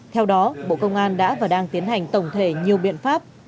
theo đó bộ công an đã và đang tiến hành tổng thể nhiều biện pháp